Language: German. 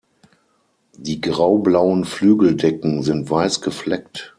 Die graublauen Flügeldecken sind weiß gefleckt.